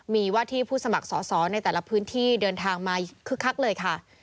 มีว่าที่ผู้สมัครสอสอในแต่ละพื้นที่เดินทางมาคึกคักเลยค่ะ